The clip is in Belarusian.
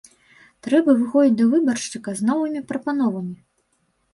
Трэба выходзіць да выбаршчыка з новымі прапановамі.